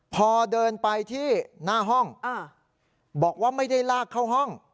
พอเดินไปที่หน้าห้องบอกว่าไม่ได้ลากเข้าห้อง